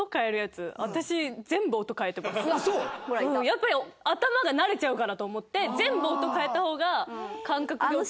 やっぱり頭が慣れちゃうかなと思って全部音変えた方が感覚で起きれる。